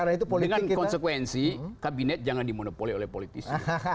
dengan konsekuensi kabinet jangan dimonopoli oleh politisi